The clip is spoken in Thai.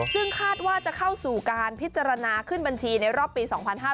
ซึ่งคาดว่าจะเข้าสู่การพิจารณาขึ้นบัญชีในรอบปี๒๕๕๙